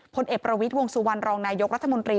พลเอกประวิทย์วงสุวรรณรองนายกรัฐมนตรี